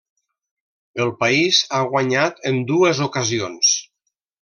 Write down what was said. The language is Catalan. El país ha guanyat en dues ocasions.